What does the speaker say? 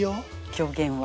狂言は。